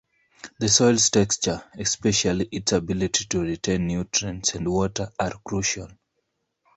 The soil's texture, especially its ability to retain nutrients and water are crucial.